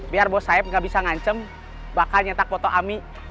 biar bos sayap nggak bisa ngancem bakal nyetak foto ami